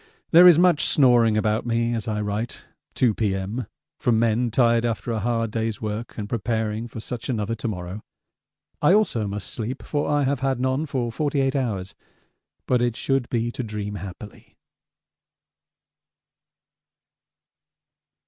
There is much snoring about me as I write (2 P.M.) from men tired after a hard day's work and preparing for such another to morrow. I also must sleep, for I have had none for 48 hours but it should be to dream happily.